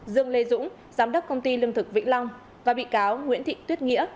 dương lê dũng giám đốc công ty lương thực vĩnh long và bị cáo nguyễn thị tuyết nghĩa